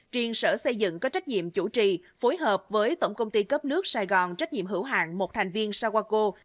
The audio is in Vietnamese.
triền sở xây dựng có trách nhiệm chủ trì phối hợp với tổng công ty cấp nước sài gòn trách nhiệm hữu hạng một thành viên saguaco